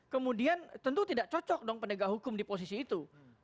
kemudian tentu tidak cocok dong pendegah hukum di posisi itu